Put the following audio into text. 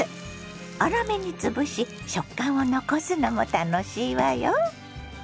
粗めに潰し食感を残すのも楽しいわよ。